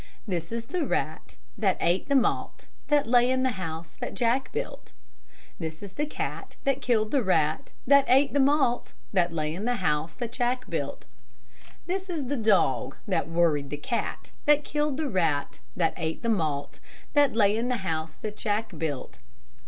This is the rat, That ate the malt That lay in the house that Jack built. This is the cat, That killed the rat, That ate the malt That lay in the house that Jack built. This is the dog, That worried the cat, That killed the rat, That ate the malt That lay in the house that Jack built.